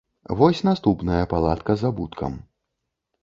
Вось наступная палатка з абуткам.